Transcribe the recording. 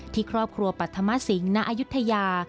ที่ครอบครัวปัธมสิงห์ณอายุทยา